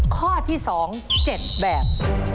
ข้อที่๒๗แบบ